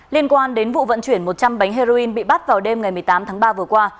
liên quan đến vụ vận chuyển một trăm linh bánh heroin bị bắt vào đêm ngày một mươi tám tháng ba vừa qua